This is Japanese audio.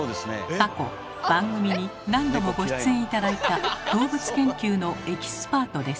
過去番組に何度もご出演頂いた動物研究のエキスパートです。